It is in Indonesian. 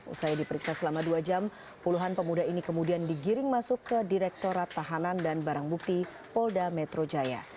usai diperiksa selama dua jam puluhan pemuda ini kemudian digiring masuk ke direktorat tahanan dan barang bukti polda metro jaya